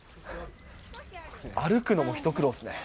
歩くのも一苦労ですね。